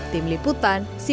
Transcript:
tim liputan cnn indonesia